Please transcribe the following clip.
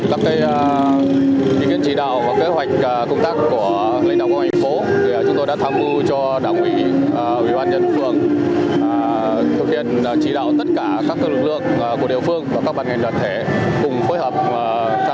căn cứ đã vào kế hoạch công an chỉ huy quán phường đã tham mưu cho quán phường và lực lượng quán phường xây dựng kế hoạch